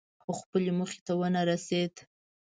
خو خپلې موخې ته ونه رسېد.